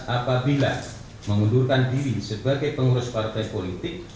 apabila mengundurkan diri sebagai pengurus partai politik